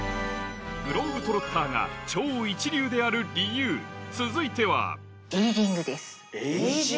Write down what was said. グローブ・トロッターが超一流である理由続いてはエイジング。